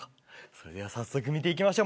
それでは早速見ていきましょう